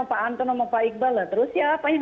pak anton sama pak iqbal lah terus siapa yang